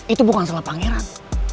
itu bukan salah pangeran